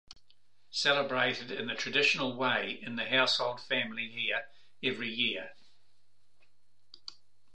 Celebrated in the traditional way in the household family here every year.